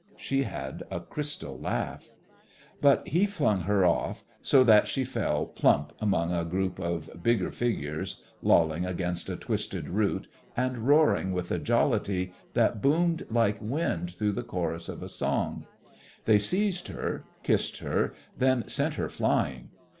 She had a crystal laugh. But he flung her off, so that she fell plump among a group of bigger figures lolling against a twisted root and roaring with a jollity that boomed like wind through the chorus of a song. They seized her, kissed her, then sent her flying.